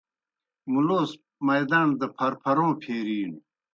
مُلوس مائداݨ دہ پھرپھروں پھیرِینوْ۔